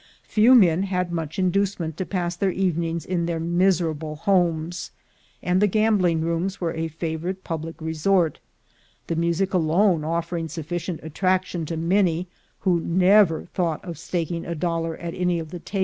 'Few men had much inducement to pass their evenings in their miserable homes, and the gambling rooms were a favorite public resort, the music alone offering sufficient attraction to many who never thought of staking a dollar at any of the tables.